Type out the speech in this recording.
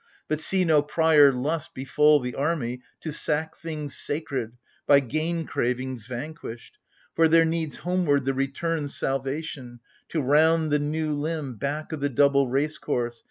But see no prior lust befall the army To sack things sacred — by gain cravings vanquished ! For there needs homeward the return's salvation, To round the new limb back o' the double race course.